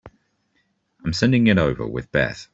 I'm sending it over with Beth.